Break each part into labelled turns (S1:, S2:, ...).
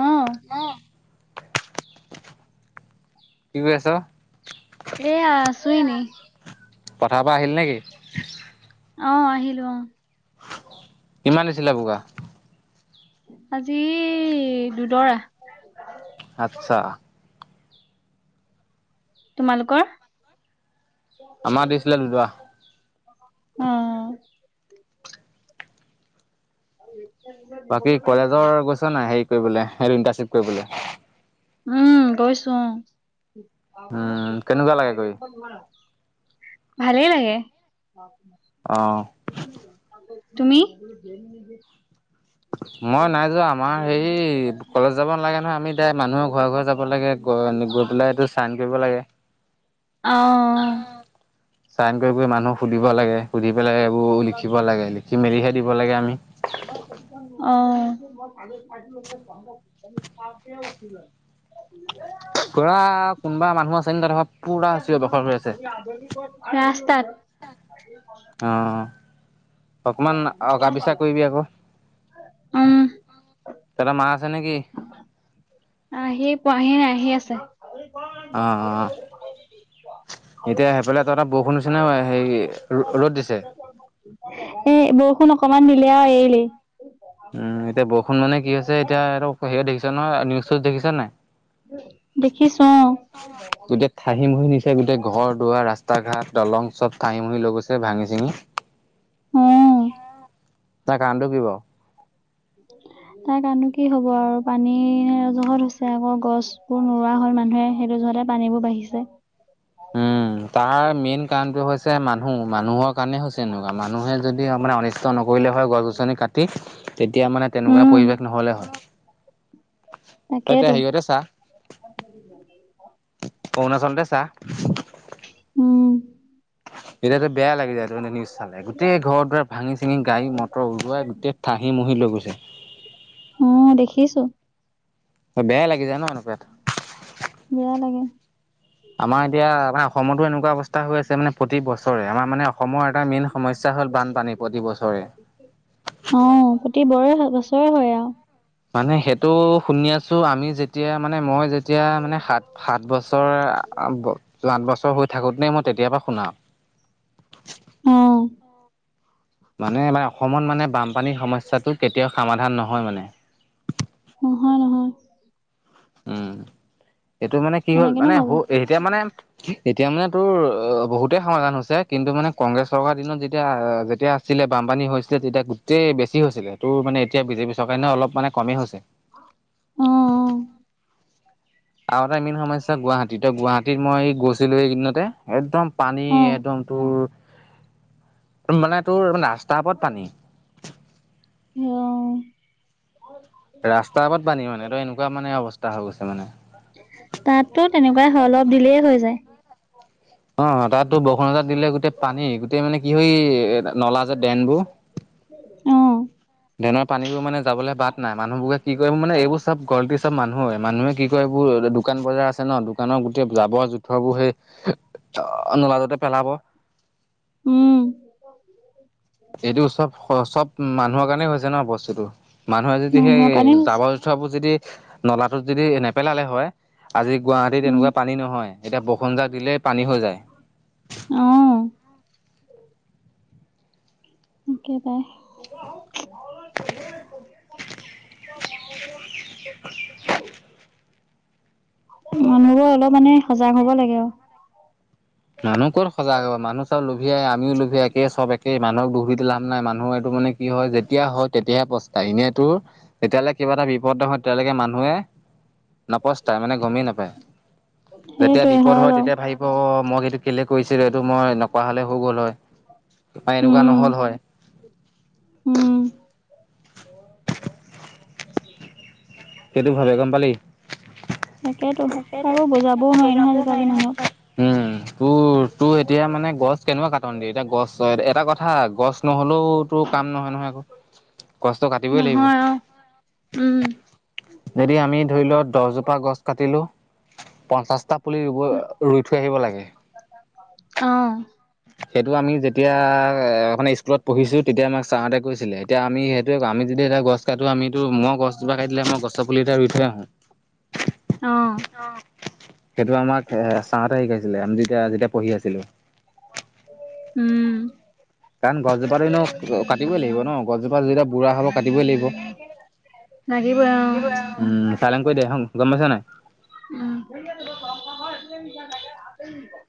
S1: অ'।
S2: অ'। কি কৰি আছ'?
S1: এইয়া আছো এনেই।
S2: পথাৰৰ পৰা আহিলি নেকি?
S1: অ', আহিলো, অ'।
S2: কিমান? [unintelligible]
S1: আজি দুদৰা।
S2: আচ্ছা।
S1: তোমালোকৰ,
S2: আমাৰ দিছিলে দুডৰা
S1: উম।
S2: বাকী কলেজৰ গৈছ নাই হেৰি কৰিবলে, [unintelligible] ইণ্টাৰশ্বিপ কৰিবলে?
S1: উম, গৈছো অ'।
S2: উম কেনেকুৱা লাগে কৰি
S1: ভালেই লাগে।
S2: অ'।
S1: তুমি?
S2: মই নাই যোৱা আমাৰ হেৰি, কলেজ যাব নালাগে নহয় আমি মানুহৰ ঘৰে ঘৰে যাব লাগে। গ-গৈ পেলাই এইটো চাইন কৰিব লাগে।
S1: অ'।
S2: চাইন কৰি কৰি মানুহ সুধিব লাগে, সুধি পেলাই এইবোৰ লিখিব লাগে। লিখি মেলিহে দিব লাগে আমি।
S1: অ'। [unintelligible]
S2: কৰা কোনবা মানহ আছে ত' ধৰক
S1: ৰাস্তাত।
S2: অ', অকমান অকা পিচা কৰিবি আকৌ।
S1: উম
S2: দাদা মা আছে নেকি?
S1: আহি পোৱাহি নাই, আহি আছে। [unintelligible]
S2: অ', অ'। এতিয়া সেইফালে তহতৰ বৰষুণ দিছি নে হেৰি ৰ'দ দিছে?
S1: এ বৰষুণ অকমান দিলে আৰু এৰিলে।
S2: উম, এতিয়া বৰষুণ মানে কি হৈছে এতিয়া হেৰি দেখিছা নহয়, নিউচজ দেখিছ নাই।
S1: দেখিছো, অ'।
S2: গোটেই ঠাহিমহি নিচেই, গোটেই ঘৰ দুৱাৰ ৰাস্তা ঘাট দলং। চব ঠাঁহি মহি লৈ গৈছে, ভাঙি চিঙি।
S1: উম।
S2: তাৰ কাৰনটো কি বাৰু?
S1: [inaudible] তাৰ কাৰনো কি হ'ব আৰু, পানী জহত হৈছে আকৌ গছবোৰ নোৰোৱা হল মানুহে সেইটো জহতে পানীবোৰ বাঢ়িছে।
S2: উম, তাৰ মেইন কাৰণটো হৈছে মানুহ-মানুহৰ কাৰণে হৈছে এনেকুৱা, মানুহে যদি মানে অনিষ্ট নকৰিলে হয় গছ-গছনি কাটি। তেতিয়া মানে তেনেকুৱা
S1: উম
S2: পৰিৱেশ নহ'লে হয়। তই এতিয়া হেৰিয়তে চা,
S1: য [unintelligible]
S2: অৰুণাচলতে চা।
S1: উম,
S2: এতিয়াাত বেয়া লাগি যায়টো নিউজ চে গোটেই ঘৰ দুৱাৰ ভাঙি-চিঙি গাডী মতৰ ওলাই গোটেই ঠাই, ঠাহি মহী লৈ গৈছে।
S1: উম, দেখিছো।
S2: বেয়াই লাগি যায় ন' এনেকুৱাত।
S1: বেয়া লাগে।
S2: আমাৰ এতিয়া মানে অসমতো এনেকুৱা অৱস্থা হৈ আছে মানে প্ৰতি বছৰে, আমাৰ মানে অসমৰ এটা মেইন সমস্যা হ'ল বানপানী প্ৰতিবছৰে।
S1: অ, প্ৰতি বাৰে বছৰে হয় আৰু।
S2: মানে সেইটো শুনি আছো, আমি যেতিয়া মানে মই যেতিয়া মানে সাত সাত বছৰ আঠ বছৰ হৈ থাকোঁতেনে মই তেতিয়াৰ পৰা শুনা।
S1: অ',
S2: মানে আমাৰ অসমত মানে বানপানীৰ সমস্যাটো কেতিয়াও সমাধান নহয় মানে।
S1: নহয়-নহয়।
S2: উ, ম এইটো মানে কি হ'ল।
S1: কেনেকেনো
S2: মানে
S1: হ'ব
S2: এতিয়া মানে এতিয়া মানে তোৰ বহুতেই সমাধান হৈছে কিন্তু মানে কংগ্ৰেছ চৰকাৰ দিনত যেতিয়া যেতিয়া আছিলে বানপানী হৈছিলে তেতিয়া গোটেই বেছি হৈছিলে, তোৰ মানে এতিয়া বিজেপি চৰকাৰে নহে অলপ মানে কমেই হৈছে।
S1: অ',
S2: আৰু এটা মেইন সমস্যা গুৱাহাটী তো গুৱাহাটীত মই গৈছিলোঁ এইকিদিনতে একদম, পানী
S1: অ
S2: একদম তোৰ মানে তোৰ ৰাস্তাৰ ওপৰত পানী।
S1: সেৱাও
S2: ৰাস্তাৰাত বানী মানে ত একুৱা মানে অৱস্থা হৈ গৈছে মানে।
S1: তাতো তেনেকুৱাই অলপ দিলেই হৈ যায়।
S2: অ, তাতো বৰসুণজাত দিলে গোটেই পানী গোটেই মানে কি হয় এ নলা যে ড্ৰেনবোৰ,
S1: অ',
S2: ড্ৰেনৰ পানীবোৰ মানে যাবলৈ বাদ নাই। মানুহবোৰকে কি কৰিব মানে এইবোৰ চব গলটি চব মানুহে মানুহে কি কয় এইবোৰ দোকান বজাৰ আছে ন, দোকানৰ গোটেই জাবৰ জোথৰ বোৰ সেই অ, নোলাজতে পেলাব।
S1: উম,
S2: এইটো চব-চব মানুহৰ কাৰণেই হৈছে ন বস্তুটো মানুহে যদি সেই
S1: মানুহৰ কাৰণে হৈছে
S2: জাবৰ, জোথৰবোৰ যদি নলাটোত যদি নেপেলালে হয়। আজি গুৱাহাটী
S1: উম
S2: এনেকুৱা পানী নহয়, এতিয়া বৰষুণ এজাক দিলেই পানী হৈ যায়।
S1: অ', [unintelligible]
S2: [inaudible]
S1: মানুহবোৰ অলপ মানে সজাগ হ'ব লাগে আৰু।
S2: মানুহ ক' ত সজাগ হ'ব, মানুহ চব লভিয়াই আমি লোভিয়াই একেই চব লুভিয়া আমি লুভিয়া একেই চব একেই মানুহক দুখি দি পেলায় লাভ নাই মানুহৰ এইটো মানে কি হয়, যেতিয়া হয় তেয়াহে প্ৰশ্ন তাই এনেইতো যেতিয়ালে কিবা এটা বিপদ নহয় তেতিয়ালৈকে মানুহে নাপচতাই মানে গমেই নাপায়, যেতিয়া
S1: সেইটোৱে
S2: বিপদ হয়
S1: বাৰু
S2: তেতিয়া ভাবিব মই এইটো কেলে কৰিছিলে এইটো মই নকোৱা হ'লে হৈ গ'ল হয় বা এনেকুৱা
S1: উম
S2: নহ'ল হয়।
S1: উম,
S2: সেইটো ভাবে গম পালি।
S1: তাকেতো কাৰো বুজাবও নোৱাৰি নহয় আজিকালি মানুহক।
S2: উম, তোৰ তোৰ এতিয়া মানে গছ কেনেকুৱা কাটন দিয়ে, এতিয়া গছ, এটা কথা গছ নহ'লেও তোৰ কাম নহয়-নহয় আকো। গছটো কাটিবই লাগিব।
S1: নহয় অ উম
S2: যদি আমি ধৰিলওঁ দহজোপা গছ কাটিলোঁ পঞ্চাশটা পুলি ৰুব, ৰুই থৈ আহিব লাগে।
S1: অহ।
S2: সেইটো আমি যেতিয়া, মিনে স্কুলত পঢ়িছোঁ তেতিয়া আমাক ছাৰহাঁতে কৈছিলে। এতিয়া আমি সেইটোৱে কওঁ। আমি যদি এটা গছ কাটো আমিটো, মই গছজোপা কাটিলে মই গছ পুলি এটা ৰুই থৈ আহোঁ।
S1: [inaudible] অ
S2: [unintelligible] অহ। সেইটো আমাক এ ছাৰহঁতে শিকাইছিলে, আমি যেতিয়া যেতিয়া পঢ়ি আছিলোঁ।
S1: উম।
S2: কাৰণ গছজোপাতো এনেইও কাটিবই লাগিব ন'। গছজোপা যেতিয়া বুঢ়া হ'ব কাটিবই লাগিব।
S1: লাগিবই অ
S2: [unintelligible] উম, চাইলেন কৰি দে হম, গম পাইছানে নাই।
S1: উম। [unintelligible]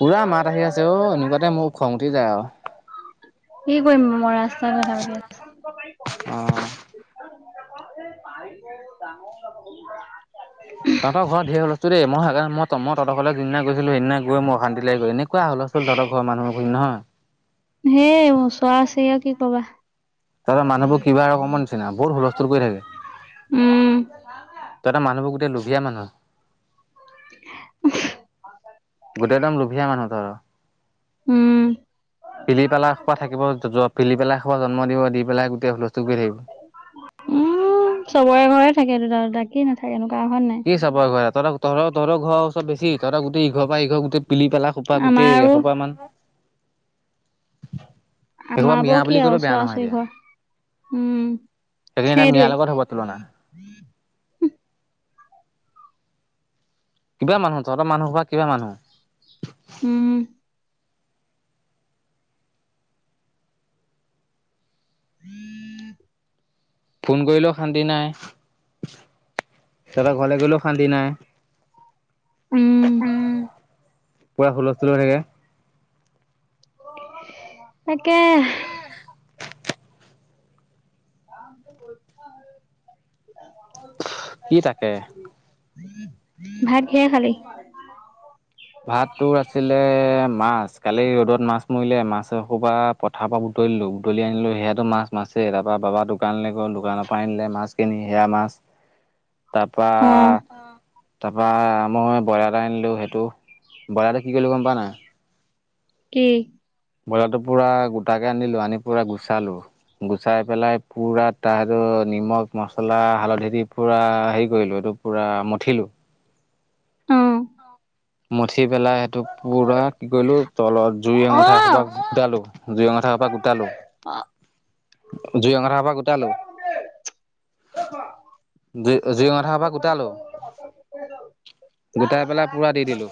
S2: পুৰা মাত আহি আছে অহ, এনেকুৱাতে মোৰ খং উঠি যায় আৰু।
S1: কি কৰিম মই ৰাস্তাত কথা পাতি আছোঁ।
S2: অহ।
S1: [unintelligible]
S2: তহঁতৰ ঘৰত দেই মই সেইকাৰণে মই মই তহঁতৰ ঘৰলৈ যিদিনা গৈছিলোঁ সেইদিনা গৈ মোৰ অশান্তিল লাগি গৈছে। এনেকুৱ হুলষ্টোল তহঁতৰ ঘৰৰ মানুহবোৰ নহয়।
S1: সেই ওচৰা-ওচৰি আৰু কি কবা।
S2: তহঁতৰ ঘৰৰ মানুহবোৰ কিবা ৰকমৰ নিচিনা বহুত হুলস্থুল কৰি থাকে।
S1: উম
S2: তাতে মানুহবোৰ গোটেই লোভীয়া মানুহ।
S1: [unintelligible]
S2: গোটেই একদম লোভীয়া মানুহ ধৰ।
S1: উম
S2: পিলি-পেলাশকে থাকিব যোৱা পিলি-পেলাশ সোপা জন্ম দিব, দি পেলাই গোটেই হুলস্থুল কৰি থাকিব।
S1: উম, চবৰে ঘৰে থাকে দুটা-দুটা কি নাথাকেনো কাৰ ঘৰত নাই।
S2: কি চাব ঘৰত। তই তহঁতৰ-তহঁতৰ ঘৰ ওচৰত বেছি, তহঁতৰ গোটেই ই ঘৰৰ পৰা ই ঘৰ গোটেই পিলি-পালা। সোপা
S1: আমাৰ
S2: গোটেই
S1: আৰু
S2: এসোপা মান। এসোপা
S1: আমাৰ
S2: মিঞা
S1: বোৰ কি
S2: বুলি
S1: আৰু
S2: ক'লেও বেয়া নহয়
S1: ওচৰা-ওচৰি
S2: এতিয়া
S1: ঘৰ উম,
S2: সেইখিনি এটা মিঞাৰ
S1: সেইটোৱে।
S2: লগত হ'ব তুলনা
S1: [unintelligible]
S2: কিবা মানুহ, তহঁতৰ মানুহ সোপা কিবা মানুহ।
S1: উম। [unintelligible]
S2: ফোন কৰিলেও শান্তি নাই। তহঁতৰ ঘৰলে গ'লেও শান্তি নাই। উম, পুৰা হুলস্থুল হৈ থাকে।
S1: তাকে। [unintelligible]
S2: কি তাকে?
S1: ভাত কিহে খালি?
S2: ভাত তোৰ আছিলে মাছ। কালি ৰ'দত মাছ মৰিলে মাছ একসোপা পথাৰ পৰা বুটলিলোঁ, বুটলি আনিলোঁ। সেইয়াটো মাছ মাছে তাৰপৰা বাবা দোকানলৈ গ'ল দোকানৰ পৰা আনিলে মাছ। কিনি সেয়া মাছ।
S1: [unintelligible] অ
S2: তাৰপা-তাৰপা মই ব্ৰইলাৰ এটা আনিলোঁ সেইটো। ব্ৰইলাটো কি কৰিলে গম পায় নাই?
S1: কি?
S2: ব্ৰইলাৰটো পুৰা গোটাকে আনিলোঁ, আনি পুৰা গুচালো। গুচাই পেলাই পুৰা তাত, সেইটো নিমখ মছলা হালধি দি পুৰা হেৰি কৰিলোঁ, এইটো পূৰা মঠিলোঁ।
S1: অ'।
S2: মঠি পেলাই সেইটো পুৰা কি কৰিলোঁ, তলত জুই অঙঠা সোপা গোটালো, জুই অঙঠা সোপা গোটালো।
S1: অ'।
S2: জুই অঙঠা সোপা গোটালো। জুই জুইঙঠা সোপা গোটালো, গোটাই পেলাই পুৰা দি দিলোঁ।